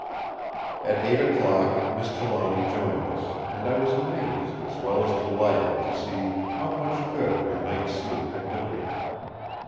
At eight o'clock Miss Trelawny joined us, and I was amazed as well as delighted to see how much good her night's sleep had done her.